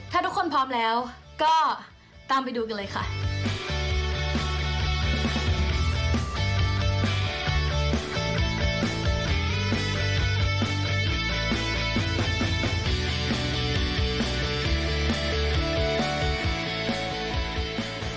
ถ้าทุกคนพร้อมแล้วก็ตามไปดูกันเลยค่ะ